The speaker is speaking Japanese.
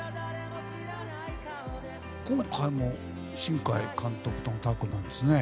今回も新海監督とタッグなんですね。